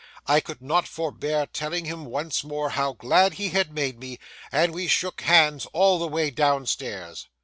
I could not forbear telling him once more how glad he had made me, and we shook hands all the way down stairs.